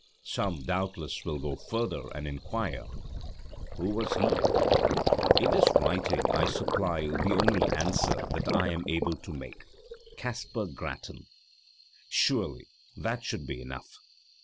Some, doubtless, will go further and inquire, 'Who was he?' In this writing I supply the only answer that I am able to make Caspar Grattan. Surely, that should be enough.